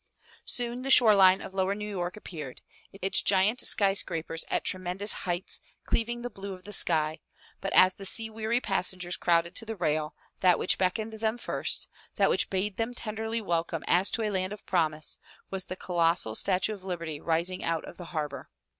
Soon the shore line of lower New York appeared, its giant sky scrapers at tremendous heights cleaving the blue of the sky, but as the sea weary passengers crowded to the rail, that which beckoned them first, that which bade them tenderly welcome as to a land of promise, was the colossal Statue of Liberty rising out of the harbor.